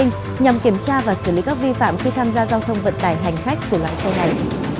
nhằm kiểm tra và xử lý các vi phạm khi tham gia giao thông vận tải hành khách của loại xe này